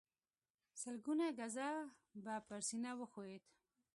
سلګونه ګزه به پر سينه وښويېد.